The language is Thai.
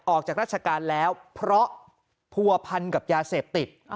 ออกจากราชการแล้วเพราะผัวพันกับยาเสพติด